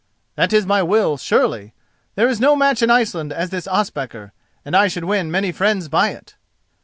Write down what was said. "That is my will, surely. There is no match in Iceland as this Ospakar, and I should win many friends by it."